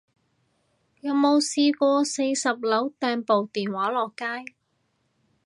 有冇試過四十樓掟部電話落街